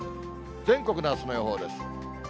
全国のあすの予報です。